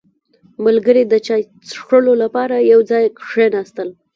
• ملګري د چای څښلو لپاره یو ځای کښېناستل.